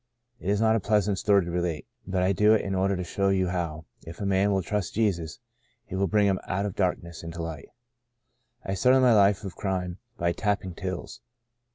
It is not a pleasant story to relate, but I do it in order to show you how, if a man will trust Jesus, He will bring him out of darkness into light. " I started my life of crime by tapping tills.